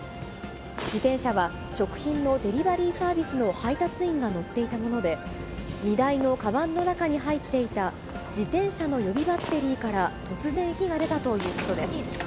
自転車は食品のデリバリーサービスの配達員が乗っていたもので、荷台のかばんの中に入っていた自転車の予備バッテリーから突然火が出たということです。